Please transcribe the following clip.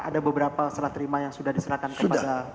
ada beberapa serah terima yang sudah diserahkan kepada